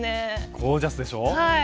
ゴージャスでしょ？